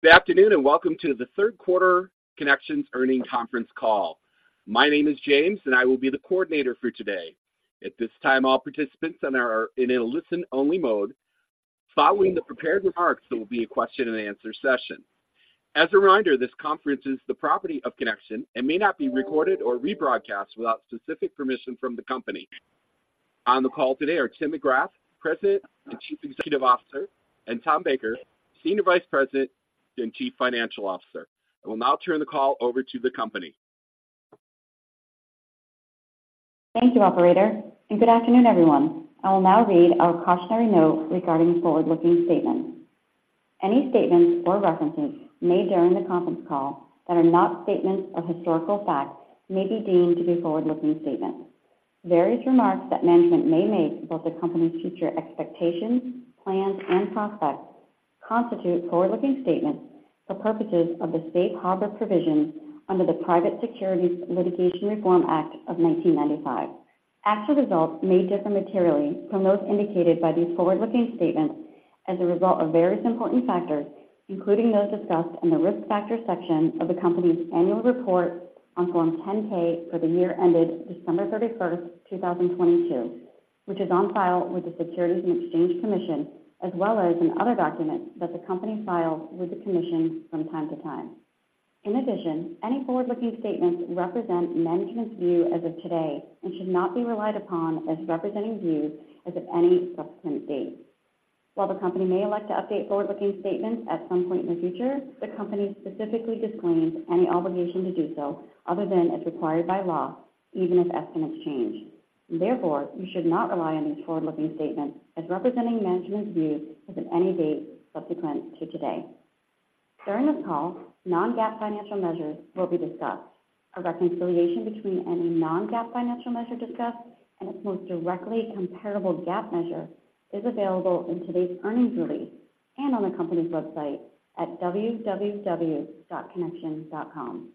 Good afternoon, and welcome to the third quarter Connection's Earnings Conference Call. My name is James, and I will be the coordinator for today. At this time, all participants are in a listen-only mode. Following the prepared remarks, there will be a question-and-answer session. As a reminder, this conference is the property of Connection and may not be recorded or rebroadcast without specific permission from the company. On the call today are Tim McGrath, President and Chief Executive Officer, and Tom Baker, Senior Vice President and Chief Financial Officer. I will now turn the call over to the company. Thank you, operator, and good afternoon, everyone. I will now read our cautionary note regarding forward-looking statements. Any statements or references made during the conference call that are not statements of historical fact may be deemed to be forward-looking statements. Various remarks that management may make about the company's future expectations, plans, and prospects constitute forward-looking statements for purposes of the safe harbor provisions under the Private Securities Litigation Reform Act of 1995. Actual results may differ materially from those indicated by these forward-looking statements as a result of various important factors, including those discussed in the Risk Factors section of the company's Annual Report on Form 10-K for the year ended December 31, 2022, which is on file with the Securities and Exchange Commission, as well as in other documents that the company files with the commission from time to time. In addition, any forward-looking statements represent management's view as of today and should not be relied upon as representing views as of any subsequent date. While the company may elect to update forward-looking statements at some point in the future, the company specifically disclaims any obligation to do so other than as required by law, even if estimates change. Therefore, you should not rely on these forward-looking statements as representing management's view as of any date subsequent to today. During this call, non-GAAP financial measures will be discussed. A reconciliation between any non-GAAP financial measure discussed and its most directly comparable GAAP measure is available in today's earnings release and on the company's website at www.connection.com.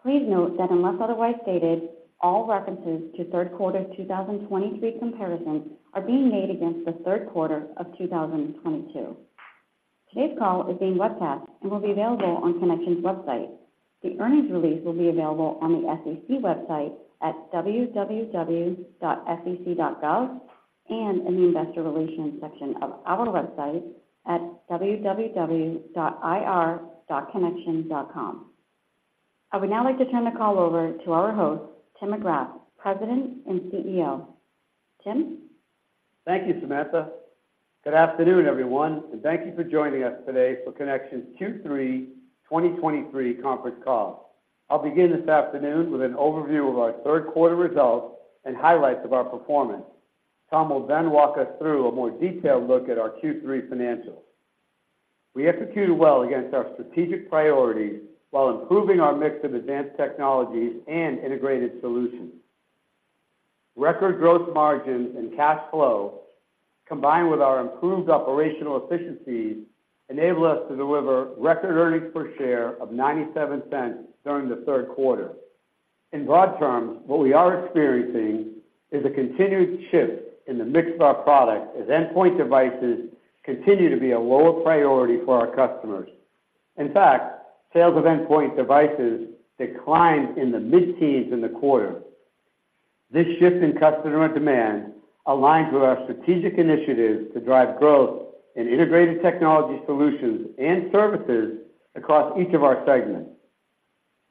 Please note that unless otherwise stated, all references to third quarter 2023 comparisons are being made against the third quarter of 2022. Today's call is being webcast and will be available on Connection's website. The earnings release will be available on the SEC website at www.sec.gov and in the investor relations section of our website at www.ir.connection.com. I would now like to turn the call over to our host, Tim McGrath, President and CEO. Tim? Thank you, Samantha. Good afternoon, everyone, and thank you for joining us today for Connection's Q3 2023 conference call. I'll begin this afternoon with an overview of our third quarter results and highlights of our performance. Tom will then walk us through a more detailed look at our Q3 financials. We executed well against our strategic priorities while improving our mix of advanced technologies and integrated solutions. Record gross margins and cash flow, combined with our improved operational efficiencies, enabled us to deliver record earnings per share of $0.97 during the third quarter. In broad terms, what we are experiencing is a continued shift in the mix of our products as endpoint devices continue to be a lower priority for our customers. In fact, sales of endpoint devices declined in the mid-teens in the quarter. This shift in customer demand aligns with our strategic initiatives to drive growth in integrated technology solutions and services across each of our segments.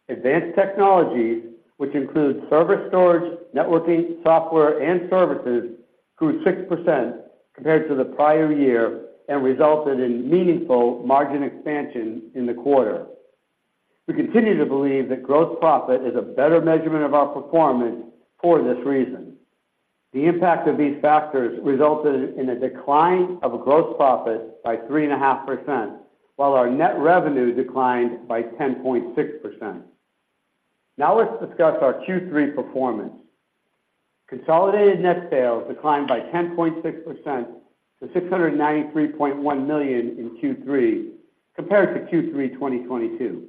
Advanced Technologies, which includes server, storage, networking, software, and services, grew 6% compared to the prior year and resulted in meaningful margin expansion in the quarter. We continue to believe that gross profit is a better measurement of our performance for this reason. The impact of these factors resulted in a decline of gross profit by 3.5%, while our net revenue declined by 10.6%. Now, let's discuss our Q3 performance. Consolidated net sales declined by 10.6% to $693.1 million in Q3 compared to Q3 2022.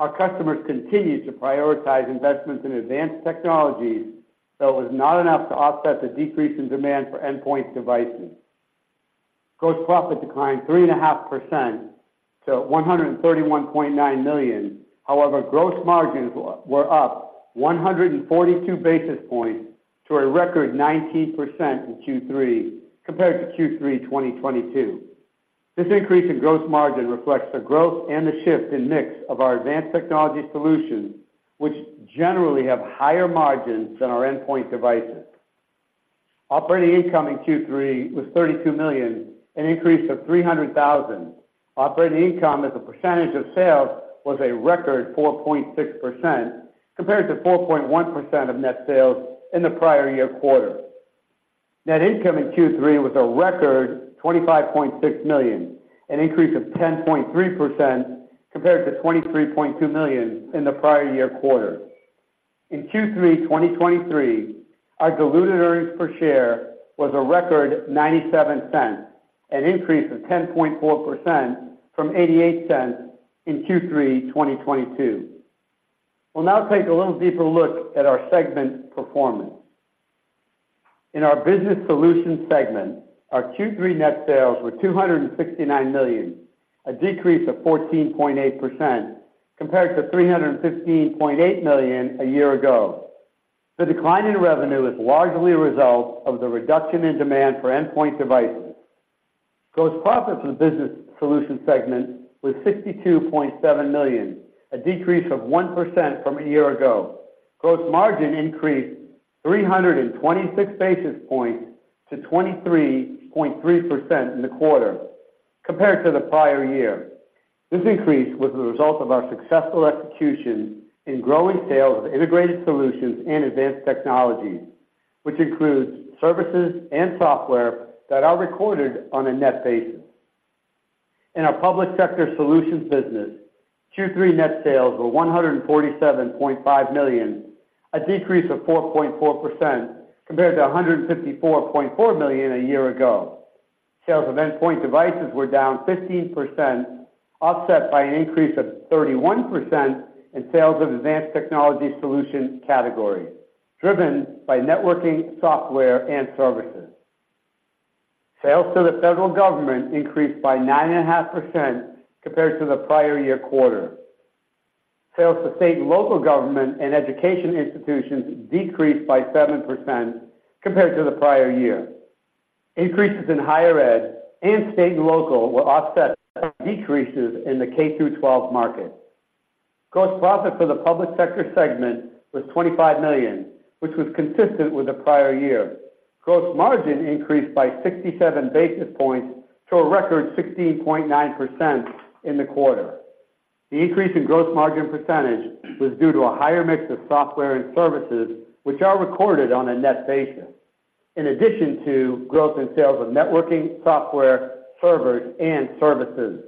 Our customers continued to prioritize investments in advanced technologies, so it was not enough to offset the decrease in demand for endpoint devices. Gross profit declined 3.5% to $131.9 million. However, gross margins were up 142 basis points to a record 19% in Q3 compared to Q3 2022. This increase in gross margin reflects the growth and the shift in mix of our advanced technology solutions, which generally have higher margins than our endpoint devices. Operating income in Q3 was $32 million, an increase of $300,000. Operating income as a percentage of sales was a record 4.6%, compared to 4.1% of net sales in the prior year quarter. Net income in Q3 was a record $25.6 million, an increase of 10.3% compared to $23.2 million in the prior year quarter. In Q3 2023, our diluted earnings per share was a record $0.97, an increase of 10.4% from $0.88 in Q3 2022. We'll now take a little deeper look at our segment performance. In our Business Solutions segment, our Q3 net sales were $269 million, a decrease of 14.8% compared to $315.8 million a year ago. The decline in revenue was largely a result of the reduction in demand for endpoint devices. Gross profit for the Business Solutions segment was $62.7 million, a decrease of 1% from a year ago. Gross margin increased 326 basis points to 23.3% in the quarter compared to the prior year. This increase was the result of our successful execution in growing sales of integrated solutions and advanced technologies, which includes services and software that are recorded on a net basis. In our Public Sector Solutions business, Q3 net sales were $147.5 million, a decrease of 4.4% compared to $154.4 million a year ago. Sales of endpoint devices were down 15%, offset by an increase of 31% in sales of advanced technology solutions category, driven by networking, software, and services. Sales to the federal government increased by 9.5% compared to the prior year quarter. Sales to state and local government and education institutions decreased by 7% compared to the prior year. Increases in higher ed and state and local were offset by decreases in the K-12 market. Gross profit for the Public Sector segment was $25 million, which was consistent with the prior year. Gross margin increased by 67 basis points to a record 16.9% in the quarter. The increase in gross margin percentage was due to a higher mix of software and services, which are recorded on a net basis, in addition to growth in sales of networking, software, servers, and services.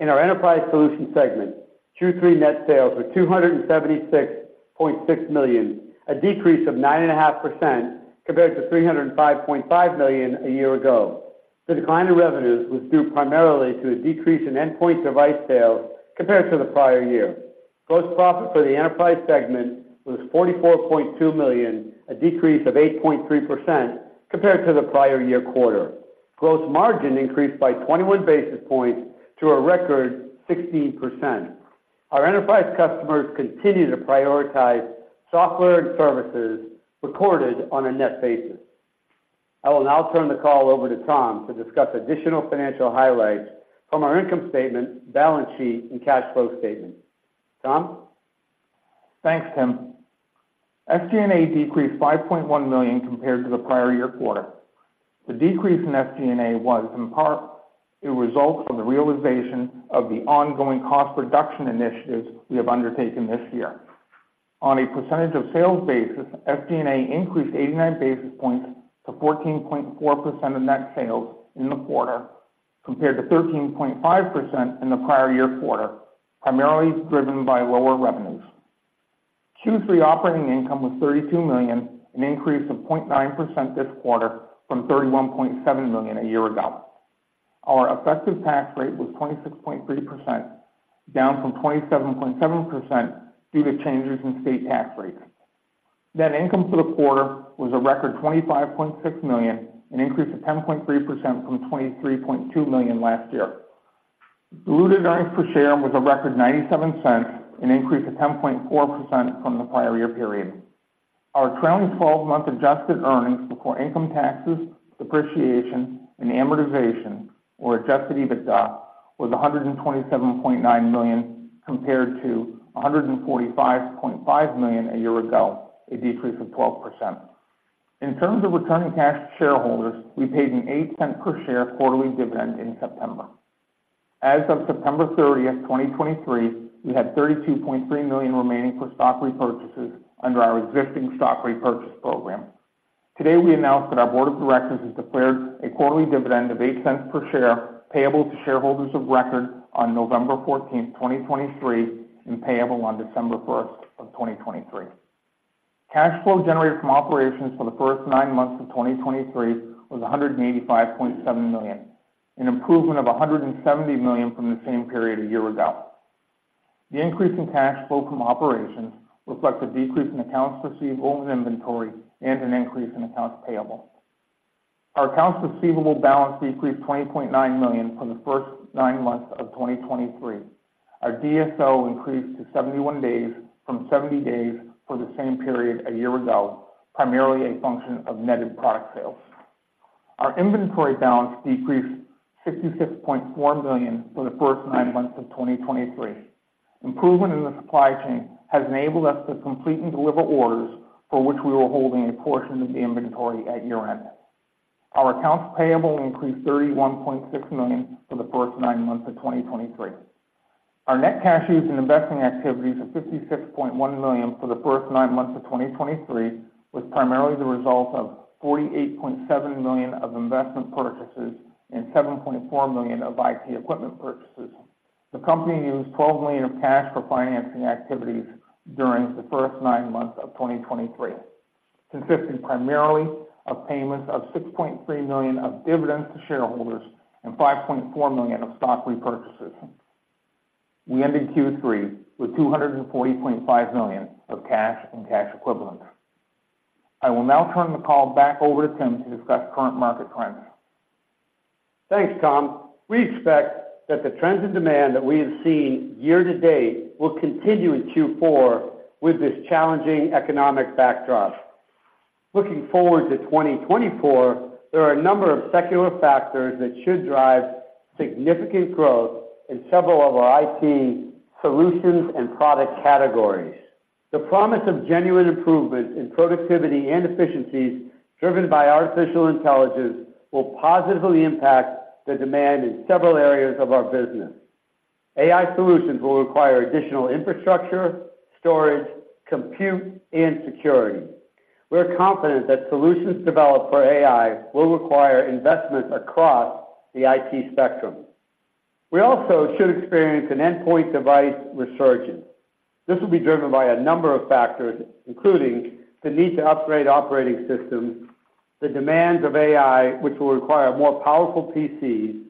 In our Enterprise Solutions segment, Q3 net sales were $276.6 million, a decrease of 9.5% compared to $305.5 million a year ago. The decline in revenues was due primarily to a decrease in endpoint device sales compared to the prior year quarter. Gross profit for the Enterprise segment was $44.2 million, a decrease of 8.3% compared to the prior year quarter. Gross margin increased by 21 basis points to a record 16%. Our Enterprise customers continue to prioritize software and services recorded on a net basis. I will now turn the call over to Tom to discuss additional financial highlights from our income statement, balance sheet, and cash flow statement. Tom? Thanks, Tim. SG&A decreased $5.1 million compared to the prior year quarter. The decrease in SG&A was in part a result of the realization of the ongoing cost reduction initiatives we have undertaken this year. On a percentage of sales basis, SG&A increased 89 basis points to 14.4% of net sales in the quarter, compared to 13.5% in the prior year quarter, primarily driven by lower revenues. Q3 operating income was $32 million, an increase of 0.9% this quarter from $31.7 million a year ago. Our effective tax rate was 26.3%, down from 27.7%, due to changes in state tax rates. Net income for the quarter was a record $25.6 million, an increase of 10.3% from $23.2 million last year. Diluted earnings per share was a record $0.97, an increase of 10.4% from the prior year period. Our trailing twelve-month Adjusted EBITDA was $127.9 million, compared to $145.5 million a year ago, a decrease of 12%. In terms of returning cash to shareholders, we paid an $0.08 per share quarterly dividend in September. As of September 30, 2023, we had $32.3 million remaining for stock repurchases under our existing stock repurchase program. Today, we announced that our board of directors has declared a quarterly dividend of $0.08 per share, payable to shareholders of record on November 14, 2023, and payable on December 1, 2023. Cash flow generated from operations for the first nine months of 2023 was $185.7 million, an improvement of $170 million from the same period a year ago. The increase in cash flow from operations reflects a decrease in accounts receivable and inventory and an increase in accounts payable. Our accounts receivable balance decreased $20.9 million from the first nine months of 2023. Our DSO increased to 71 days from 70 days for the same period a year ago, primarily a function of netted product sales. Our inventory balance decreased $66.4 million for the first nine months of 2023. Improvement in the supply chain has enabled us to complete and deliver orders for which we were holding a portion of the inventory at year-end. Our accounts payable increased $31.6 million for the first nine months of 2023. Our net cash used in investing activities of $56.1 million for the first nine months of 2023 was primarily the result of $48.7 million of investment purchases and $7.4 million of IT equipment purchases. The company used $12 million of cash for financing activities during the first nine months of 2023, consisting primarily of payments of $6.3 million of dividends to shareholders and $5.4 million of stock repurchases. We ended Q3 with $240.5 million of cash and cash equivalents. I will now turn the call back over to Tim to discuss current market trends. Thanks, Tom. We expect that the trends and demand that we have seen year-to-date will continue in Q4 with this challenging economic backdrop. Looking forward to 2024, there are a number of secular factors that should drive significant growth in several of our IT solutions and product categories. The promise of genuine improvement in productivity and efficiencies, driven by artificial intelligence, will positively impact the demand in several areas of our business. AI solutions will require additional infrastructure, storage, compute, and security. We're confident that solutions developed for AI will require investment across the IT spectrum. We also should experience an endpoint device resurgence. This will be driven by a number of factors, including the need to upgrade operating systems, the demands of AI, which will require more powerful PCs,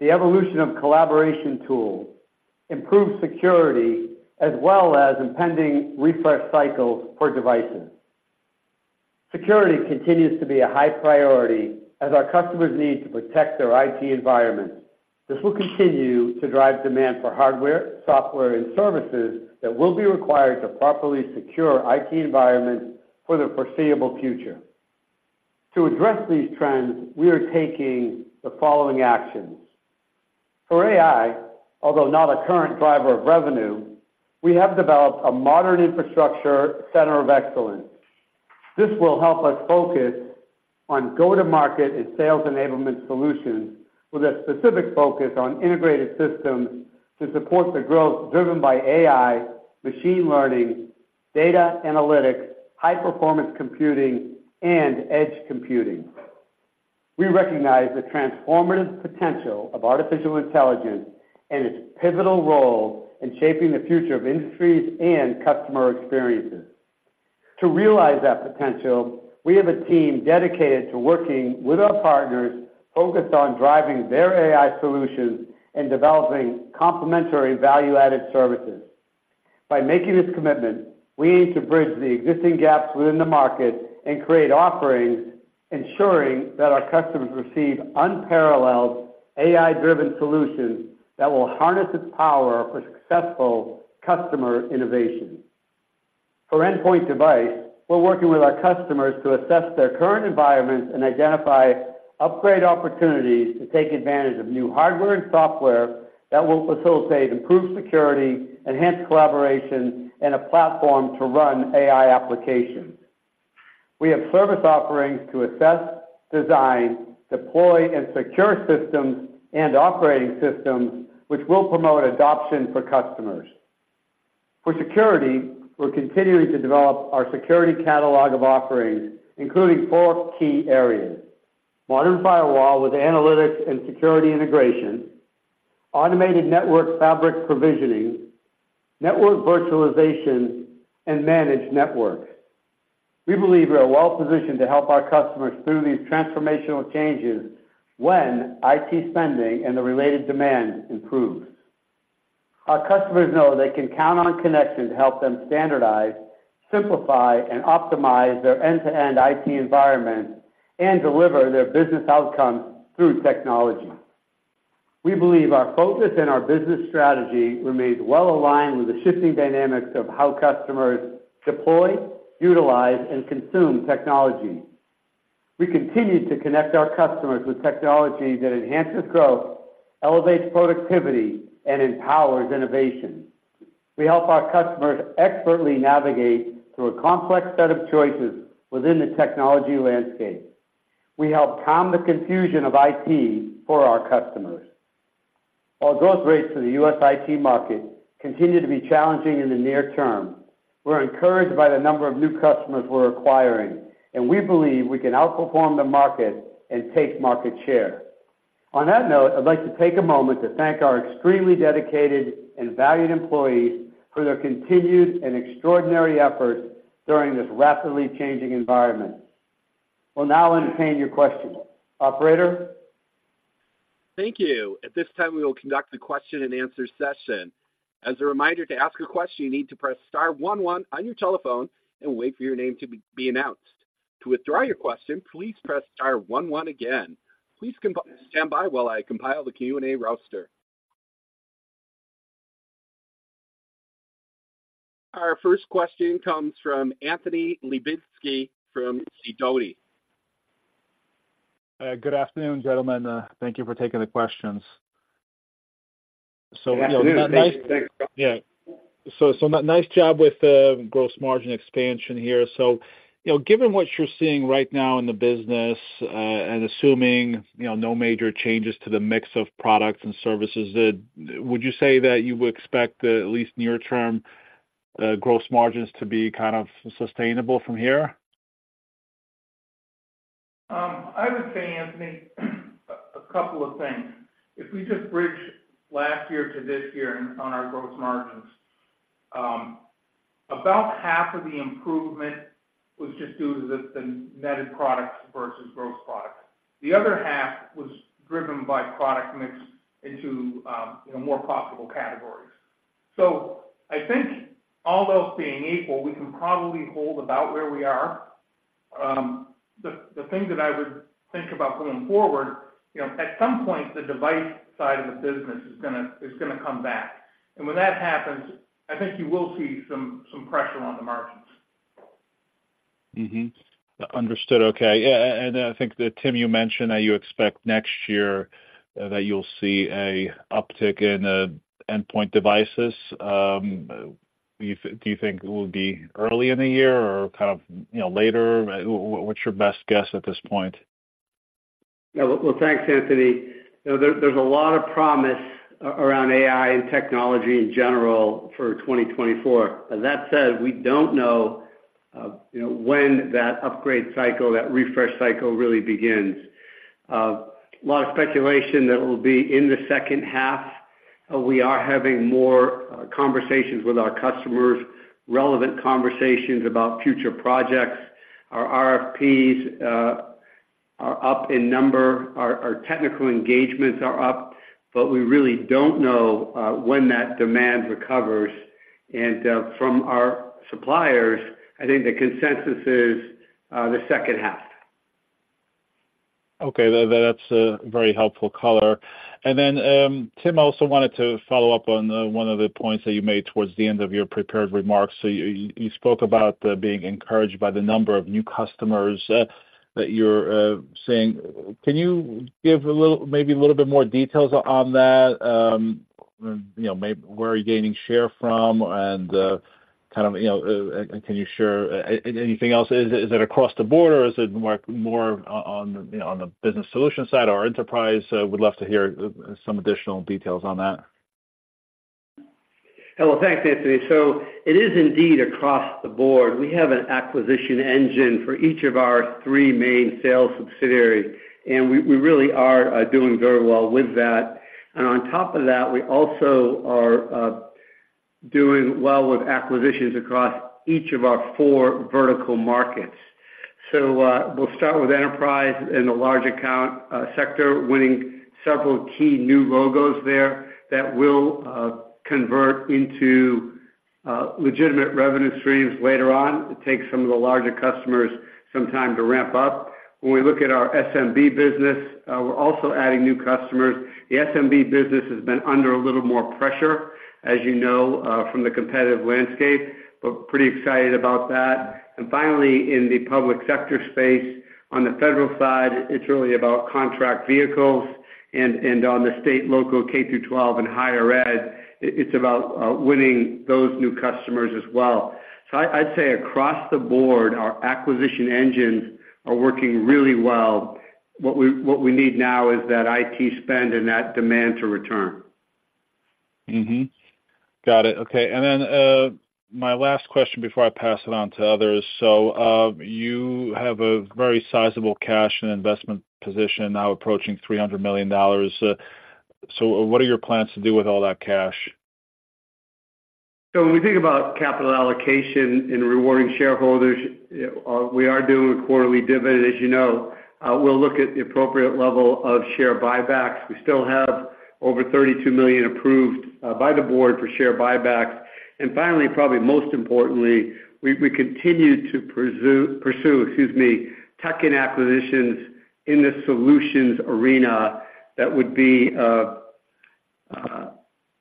the evolution of collaboration tools, improved security, as well as impending refresh cycles for devices. Security continues to be a high priority as our customers need to protect their IT environment. This will continue to drive demand for hardware, software, and services that will be required to properly secure IT environments for the foreseeable future. To address these trends, we are taking the following actions: For AI, although not a current driver of revenue, we have developed a modern infrastructure center of excellence. This will help us focus on go-to-market and sales enablement solutions, with a specific focus on integrated systems to support the growth driven by AI, machine learning, data analytics, high-performance computing, and edge computing. We recognize the transformative potential of artificial intelligence and its pivotal role in shaping the future of industries and customer experiences. To realize that potential, we have a team dedicated to working with our partners, focused on driving their AI solutions and developing complementary value-added services. By making this commitment, we aim to bridge the existing gaps within the market and create offerings, ensuring that our customers receive unparalleled AI-driven solutions that will harness its power for successful customer innovation. For endpoint device, we're working with our customers to assess their current environments and identify upgrade opportunities to take advantage of new hardware and software that will facilitate improved security, enhanced collaboration, and a platform to run AI applications. We have service offerings to assess, design, deploy, and secure systems and operating systems, which will promote adoption for customers. For security, we're continuing to develop our security catalog of offerings, including four key areas: modern firewall with analytics and security integration, automated network fabric provisioning, network virtualization, and managed network. We believe we are well positioned to help our customers through these transformational changes when IT spending and the related demand improves. Our customers know they can count on Connection to help them standardize, simplify, and optimize their end-to-end IT environment and deliver their business outcomes through technology. We believe our focus and our business strategy remains well aligned with the shifting dynamics of how customers deploy, utilize, and consume technology. We continue to connect our customers with technology that enhances growth, elevates productivity, and empowers innovation. We help our customers expertly navigate through a complex set of choices within the technology landscape. We help calm the confusion of IT for our customers. While growth rates for the U.S. IT market continue to be challenging in the near term, we're encouraged by the number of new customers we're acquiring, and we believe we can outperform the market and take market share. On that note, I'd like to take a moment to thank our extremely dedicated and valued employees for their continued and extraordinary efforts during this rapidly changing environment. We'll now entertain your questions. Operator? Thank you. At this time, we will conduct a question-and-answer session. As a reminder, to ask a question, you need to press star one, one on your telephone and wait for your name to be announced. To withdraw your question, please press star one, one again. Please stand by while I compile the Q&A roster. Our first question comes from Anthony Lebiedzinski from Sidoti. Good afternoon, gentlemen. Thank you for taking the questions. Good afternoon. Thanks. Yeah. So, so nice job with the gross margin expansion here. So, you know, given what you're seeing right now in the business, and assuming, you know, no major changes to the mix of products and services, would you say that you would expect the, at least near term, gross margins to be kind of sustainable from here? I would say, Anthony, a couple of things. If we just bridge last year to this year on our gross margins-... about half of the improvement was just due to the netted products versus gross products. The other half was driven by product mix into, you know, more profitable categories. So I think all else being equal, we can probably hold about where we are. The thing that I would think about going forward, you know, at some point, the device side of the business is gonna come back. And when that happens, I think you will see some pressure on the margins. Mm-hmm. Understood. Okay. Yeah, and I think that, Tim, you mentioned that you expect next year that you'll see an uptick in endpoint devices. Do you think it will be early in the year or kind of, you know, later? What's your best guess at this point? Well, thanks, Anthony. You know, there, there's a lot of promise around AI and technology in general for 2024. That said, we don't know, you know, when that upgrade cycle, that refresh cycle, really begins. A lot of speculation that it will be in the second half. We are having more conversations with our customers, relevant conversations about future projects. Our RFPs are up in number, our technical engagements are up, but we really don't know when that demand recovers. And, from our suppliers, I think the consensus is, the second half. Okay, that's a very helpful color. Then, Tim, I also wanted to follow up on one of the points that you made towards the end of your prepared remarks. So you spoke about being encouraged by the number of new customers that you're seeing. Can you give a little, maybe a little bit more details on that? You know, where are you gaining share from? And kind of, you know, can you share anything else? Is it across the board, or is it more on the business solution side or enterprise? Would love to hear some additional details on that. Well, thanks, Anthony. So it is indeed across the board. We have an acquisition engine for each of our three main sales subsidiaries, and we really are doing very well with that. And on top of that, we also are doing well with acquisitions across each of our four vertical markets. So, we'll start with enterprise in the large account sector, winning several key new logos there that will convert into legitimate revenue streams later on. It takes some of the larger customers some time to ramp up. When we look at our SMB business, we're also adding new customers. The SMB business has been under a little more pressure, as you know, from the competitive landscape, but pretty excited about that. And finally, in the public sector space, on the federal side, it's really about contract vehicles, and on the state, local, K-12 and higher-ed, it's about winning those new customers as well. So I'd say across the board, our acquisition engines are working really well. What we need now is that IT spend and that demand to return. Mm-hmm. Got it. Okay, and then my last question before I pass it on to others. So, you have a very sizable cash and investment position now approaching $300 million. So what are your plans to do with all that cash? So when we think about capital allocation and rewarding shareholders, we are doing a quarterly dividend, as you know. We'll look at the appropriate level of share buybacks. We still have over 32 million approved by the board for share buybacks. And finally, probably most importantly, we continue to pursue, excuse me, tuck-in acquisitions in the solutions arena that would be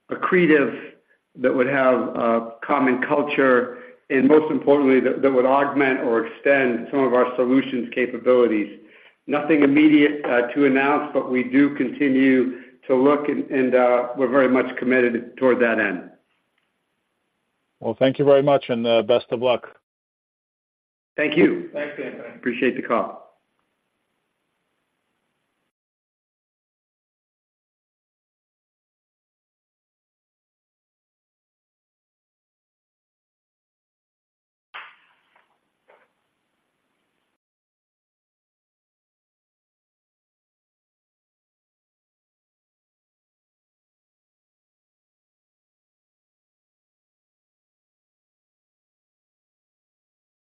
accretive, that would have a common culture, and most importantly, that would augment or extend some of our solutions capabilities. Nothing immediate to announce, but we do continue to look and we're very much committed toward that end. Well, thank you very much, and best of luck. Thank you. Thanks, Anthony. Appreciate the call.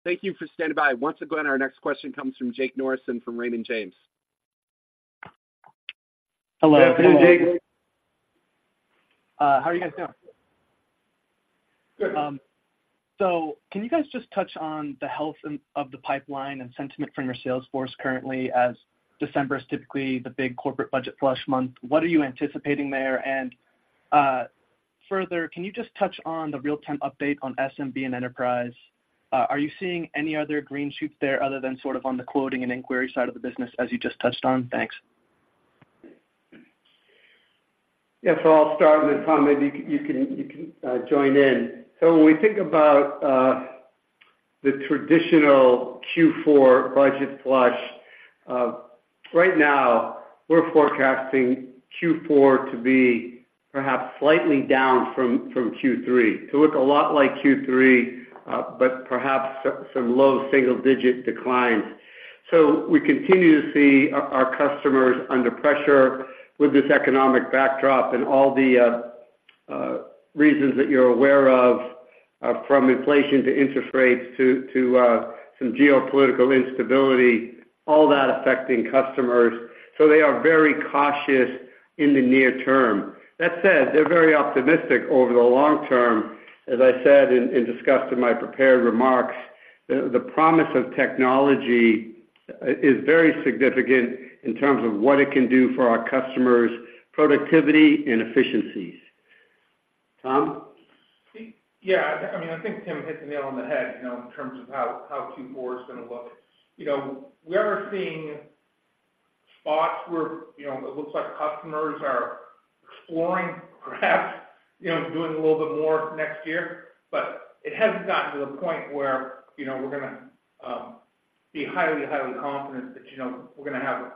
Thank you for standing by. Once again, our next question comes from Jake Norrison from Raymond James. Hello. Good afternoon, Jake. How are you guys doing? Good. So, can you guys just touch on the health of the pipeline and sentiment from your sales force currently, as December is typically the big corporate budget flush month. What are you anticipating there? And, further, can you just touch on the real-time update on SMB and Enterprise? Are you seeing any other green shoots there other than sort of on the quoting and inquiry side of the business as you just touched on? Thanks. Yeah, so I'll start, and then Tom, maybe you can join in. So when we think about the traditional Q4 budget flush, right now, we're forecasting Q4 to be perhaps slightly down from Q3, to look a lot like Q3, but perhaps some low single-digit declines. So we continue to see our customers under pressure with this economic backdrop and all the reasons that you're aware of, from inflation to interest rates to some geopolitical instability, all that affecting customers. So they are very cautious in the near term. That said, they're very optimistic over the long term. As I said in discussion to my prepared remarks, the promise of technology is very significant in terms of what it can do for our customers' productivity and efficiencies. Tom? Yeah, I mean, I think Tim hit the nail on the head, you know, in terms of how Q4 is gonna look. You know, we are seeing spots where, you know, it looks like customers are exploring, perhaps, you know, doing a little bit more next year. But it hasn't gotten to the point where, you know, we're gonna be highly, highly confident that, you know, we're gonna have,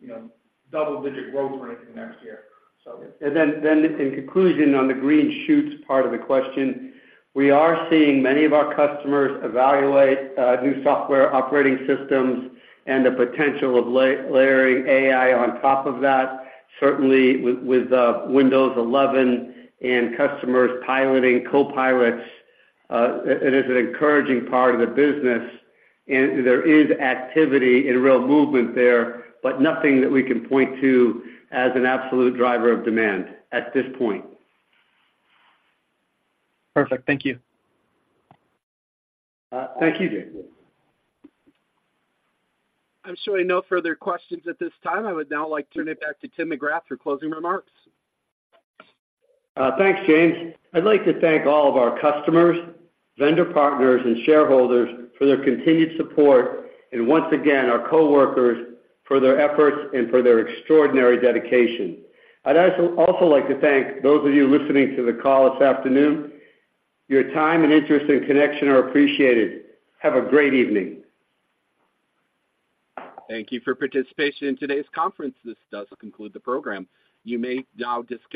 you know, double-digit growth rate next year, so. In conclusion, on the green shoots part of the question, we are seeing many of our customers evaluate new software operating systems and the potential of layering AI on top of that, certainly with Windows 11 and customers piloting Copilot. It is an encouraging part of the business, and there is activity and real movement there, but nothing that we can point to as an absolute driver of demand at this point. Perfect. Thank you. Thank you. I'm showing no further questions at this time. I would now like to turn it back to Tim McGrath for closing remarks. Thanks, James. I'd like to thank all of our customers, vendor partners, and shareholders for their continued support, and once again, our coworkers for their efforts and for their extraordinary dedication. I'd also like to thank those of you listening to the call this afternoon. Your time and interest and connection are appreciated. Have a great evening. Thank you for participation in today's conference. This does conclude the program. You may now disconnect.